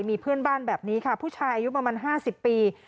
มีเพื่อนบ้านแบบนี้ค่ะผู้ชายอายุประมาณ๕๐ปี